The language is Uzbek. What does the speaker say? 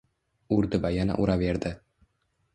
Urdi va yana uraverdi.